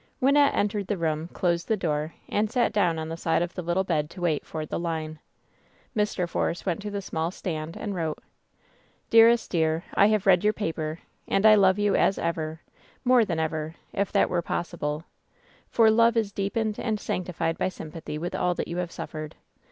Wynnette entered the room, closed the door, and sat down on the side of the little bed to wait for the "line." Mr. Force went to the small stand, and wrote : "Dearest dear, I have read your paper, and I love you as ever — more than ever, if that were possible ; for love is deepened and sanctified by sympathy with all that you have suffered.